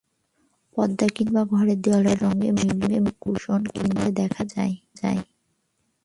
পর্দা কিংবা ঘরের দেয়ালের রঙের সঙ্গে মিলিয়েও কুশন কিনতে দেখা যায়।